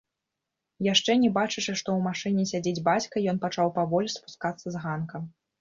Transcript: Яшчэ не бачачы, што ў машыне сядзіць бацька, ён пачаў паволі спускацца з ганка.